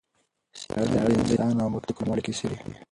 څېړنه د انسان او موږک د کولمو اړیکې څېړي.